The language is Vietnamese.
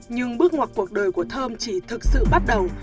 nhưng bước ngoặt cuộc đời của thơm chỉ thực sự bắt đầu